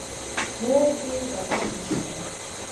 _مور دې بلا نومېږي؟